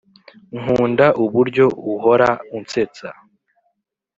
nkunda uburyo uhora unsetsa